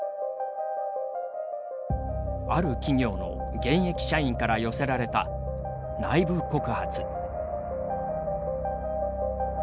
ある企業の現役社員から寄せられた内部告発。